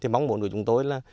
mong muốn của chúng tôi là